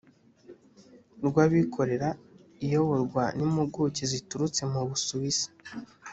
rw abikorera iyoborwa n impuguke ziturutse mu busuwisi